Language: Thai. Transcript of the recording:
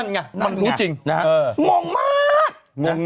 นั่นไงมันรู้จริงงงมาก